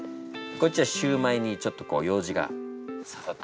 こっちはシューマイにちょっとこうようじが刺さって。